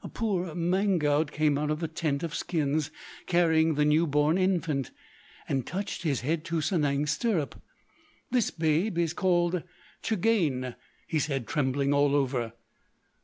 "A poor Manggoud came out of the tent of skins, carrying the new born infant, and touched his head to Sanang's stirrup. 'This babe is called Tchagane,' he said, trembling all over.